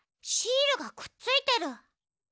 シールがくっついてる。